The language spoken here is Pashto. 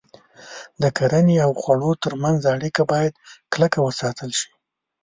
د کرنې او خوړو تر منځ اړیکه باید کلکه وساتل شي.